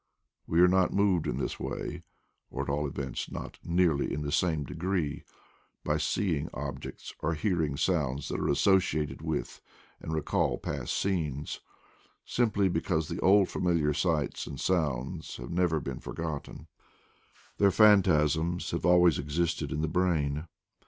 We are not moved in this way, or at all events not nearly in the same degree, by seeing objects or hearing sounds that are associated with and re call past scenes, simply because the old familiar sights and sounds have never been forgotten; their phantasms have always existed in the brain.